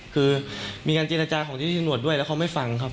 คือมีการเจรจาของที่ที่ตำรวจด้วยแล้วเขาไม่ฟังครับ